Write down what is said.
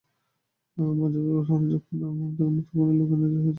মজার ব্যাপার, তিনি যখনি নতুন কোনো লুকে হাজির হয়েছেন, সেটাই হয়েছে হিট।